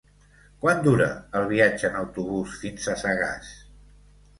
Quant dura el viatge en autobús fins a Sagàs?